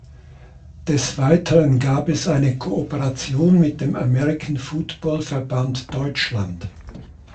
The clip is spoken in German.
Des Weiteren gab es eine Kooperation mit dem American Football Verband Deutschland.